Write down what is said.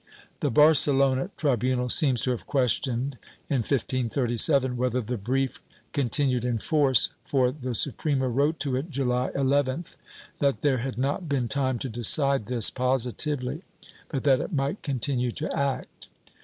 The Barcelona tribunal seems to have questioned, in 1537, whether the brief continued in force, for the Suprema wrote to it July 11th, that there had not been time to decide this positively, but that it might continue to act."